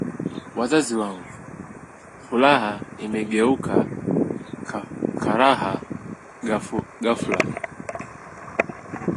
wazazi wangu! Furaha imegeuka karaha ghafula